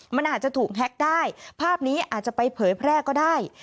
มันอาจจะถูกแฮ็กได้ภาพนี้อาจจะไปเผยแพร่ก็ได้